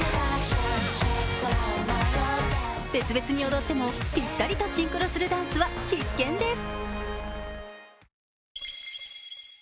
別々に踊ってもぴったりとシンクロするダンスは必見です。